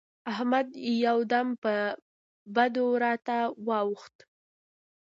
احمد يو دم پر بدو راته واووښت.